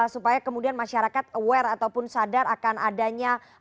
supaya kemudian masyarakat aware ataupun sadar akan adanya